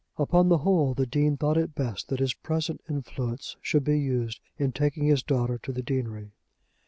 Upon the whole the Dean thought it best that his present influence should be used in taking his daughter to the deanery.